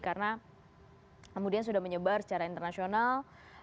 karena kemudian sudah menyebar secara internasional